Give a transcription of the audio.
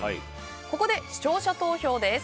ここで視聴者投票です。